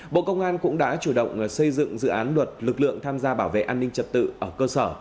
bộ công an cũng đã chủ động xây dựng dự án luật lực lượng tham gia bảo vệ an ninh trật tự ở cơ sở